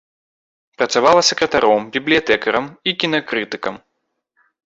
Працавала сакратаром, бібліятэкарам і кінакрытыкам.